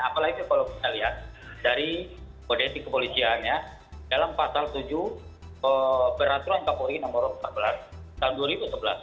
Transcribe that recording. apalagi kalau kita lihat dari kode etik kepolisiannya dalam pasal tujuh peraturan kapolri nomor empat belas tahun dua ribu sebelas